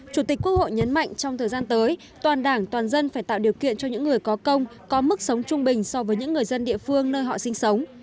chủ tịch quốc hội nhấn mạnh trong thời gian tới toàn đảng toàn dân phải tạo điều kiện cho những người có công có mức sống trung bình so với những người dân địa phương nơi họ sinh sống